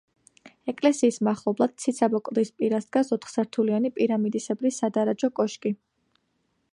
ეკლესიის მახლობლად, ციცაბო კლდის პირას დგას ოთხსართულიანი, პირამიდისებრი სადარაჯო კოშკი.